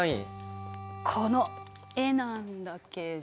この絵なんだけど。